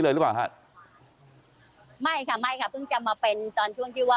หรือเปล่าฮะไม่ค่ะไม่ค่ะเพิ่งจะมาเป็นตอนช่วงที่ว่า